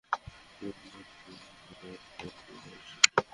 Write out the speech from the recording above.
মুখবন্ধ করে কীভাবে খেতে হয় তোকে কেউ কখনো শেখায়নি?